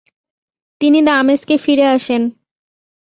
তিনি দামেস্কে ফিরে আসেন।